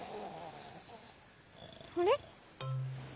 あれ？